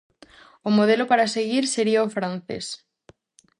O modelo para seguir sería o francés.